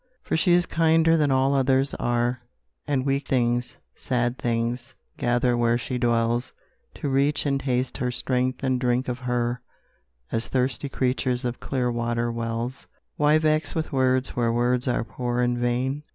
For she is kinder than all others are, And weak things, sad things, gather where she dwells, To reach and taste her strength and drink of her, As thirsty creatures of clear water wells. Why vex with words where words are poor and vain?